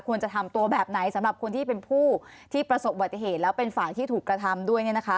ควรจะทำตัวแบบไหนสำหรับคนที่เป็นผู้ที่ประสบบัติเหตุแล้วเป็นฝ่ายที่ถูกกระทำด้วยเนี่ยนะคะ